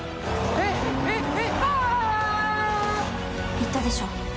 「言ったでしょ？